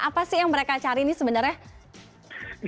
apa sih yang mereka cari nih sebenarnya